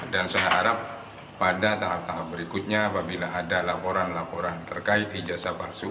dan saya harap pada tahap tahap berikutnya apabila ada laporan laporan terkait ijazah palsu